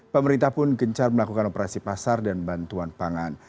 pemerintah pun gencar melakukan operasi pasar dan bantuan pangan